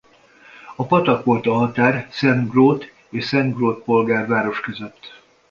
A patak volt a határ Szent-Groth és Szent-Groth Polgár Város között.